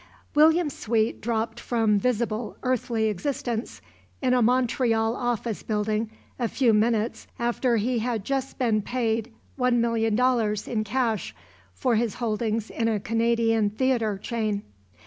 William Sweet dropped from visible earthly existence in a Montreal office building a few minutes after he had been paid $1,000,000 in cash for his holdings in a Canadian theater chain.